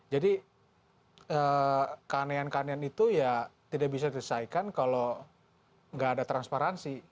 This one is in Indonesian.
jadi keanehan keanehan itu ya tidak bisa diselesaikan kalau gak ada transparansi